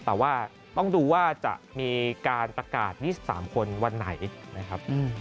แต่ว่าต้องดูว่าจะมีการประกาศ๒๓คนวันไหนนะครับ